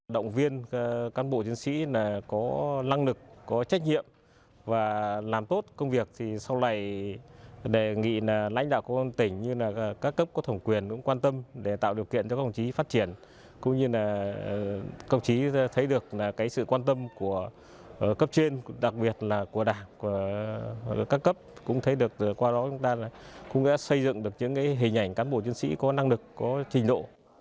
động viên các bộ dân sĩ có năng lực có trách nhiệm và làm tốt công việc sau này đề nghị lãnh đạo của tỉnh các cấp có thổng quyền cũng quan tâm để tạo điều kiện cho công chí phát triển công chí thấy được sự quan tâm của cấp trên đặc biệt là của đảng các cấp cũng thấy được qua đó chúng ta cũng xây dựng được những hình ảnh các bộ dân sĩ có năng lực có trình độ